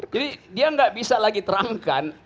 jadi dia tidak bisa lagi terangkan